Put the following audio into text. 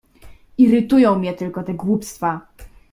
"Irytują mię tylko te głupstwa!"